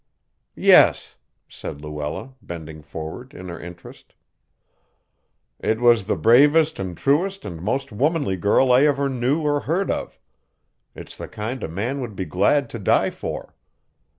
"Yes," said Luella, bending forward in her interest. "It was the bravest and truest and most womanly girl I ever knew or heard of. It's the kind a man would be glad to die for."